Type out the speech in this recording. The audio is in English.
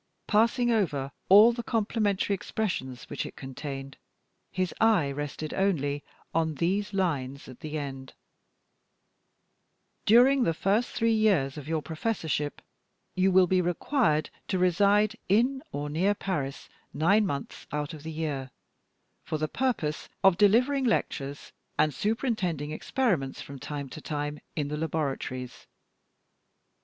Passing over all the complimentary expressions which it contained, his eye rested only on these lines at the end: "During the first three years of your professorship, you will be required to reside in or near Paris nine months out of the year, for the purpose of delivering lectures and superintending experiments from time to time in the laboratories."